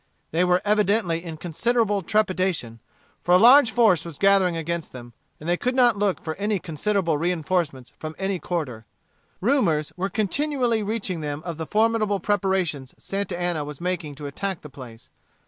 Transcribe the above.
They were evidently in considerable trepidation, for a large force was gathering against them, and they could not look for any considerable reinforcements from any quarter. Rumors were continually reaching them of the formidable preparations Santa Anna was making to attack the place.